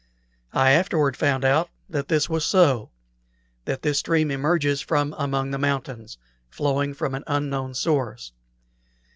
I afterward found out that this was so that this stream emerges from among the mountains, flowing from an unknown source.